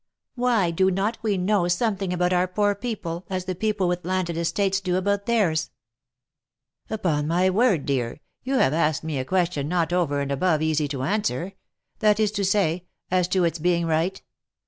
Why do not we know something about our poor people, as the people with landed estates do about theirs V " Upon my word, my dear, you have asked me a question not over and above easy to answer — that is to say, as to its being right.